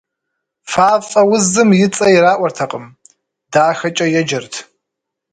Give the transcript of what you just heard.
Фафӏэ узым и цӏэ ираӏуэртэкъым, «дахэкӏэ» еджэрт.